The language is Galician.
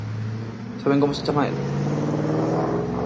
Saben como se chama ela?